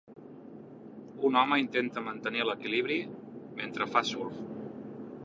Un home intenta mantenir l'equilibri mentre fa surf